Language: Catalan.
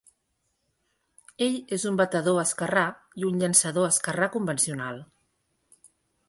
Ell és un batedor esquerrà i un llançador esquerrà convencional.